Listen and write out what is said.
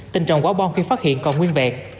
tình trọng quả bôm khi phát hiện còn nguyên vẹn